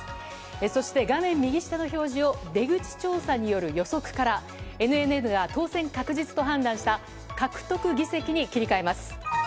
そして画面右下の表示を、出口調査による予測から、ＮＮＮが当選確実と判断した獲得議席に切り替えます。